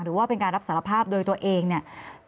หรือว่าเป็นการรับสารภาพโดยตัวเองเนี่ย